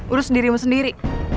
urus dirimu sendiri